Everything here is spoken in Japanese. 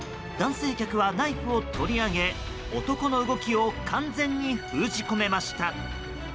男性客はナイフを取り上げ男の動きを完全に封じ込めました。